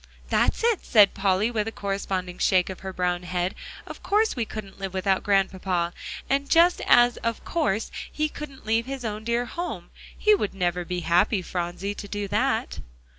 "That's it," said Polly, with a corresponding shake of her brown head, "of course we couldn't live without Grandpapa; and just as 'of course' he couldn't leave his own dear home. He never would be happy, Phronsie, to do that."